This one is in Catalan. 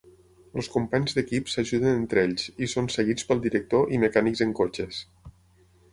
Els companys d'equip s'ajuden entre ells i són seguits pel director i mecànics en cotxes.